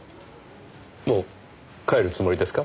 もう帰るつもりですか？